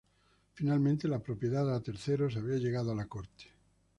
Finalmente la propiedad a terceros había llegado a la corte.